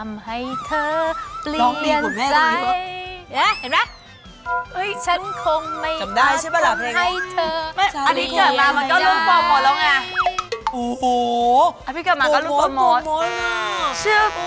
โอโหไปกลับมาก็รู้โปรโมส